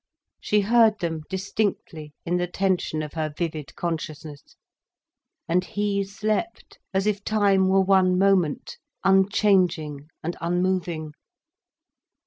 She heard them distinctly in the tension of her vivid consciousness. And he slept as if time were one moment, unchanging and unmoving.